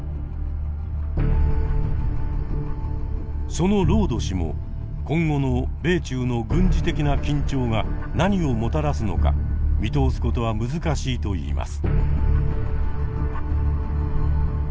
そのロード氏も今後の米中の軍事的な緊張が何をもたらすのか見通すことは難しいといいます。